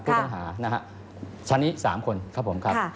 พุทธอาหารนะครับชะนี้๓คนครับผมครับ